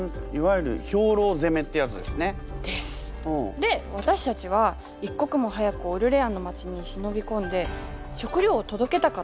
で私たちは一刻も早くオルレアンの街に忍び込んで食料を届けたかったの。